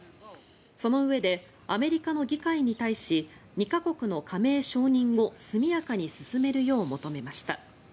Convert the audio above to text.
そのうえでアメリカの議会に対し２か国の加盟承認を速やかに進めるよう求めました。